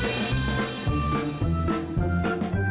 nanti aku kasihin dia aja pepiting